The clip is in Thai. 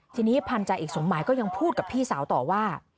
ทีนี้พันธาเอกสมหมายก็ยังพูดกับพี่สาวต่อว่า